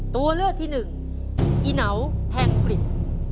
ตัวเลือกที่๑อินาวแทงปลิต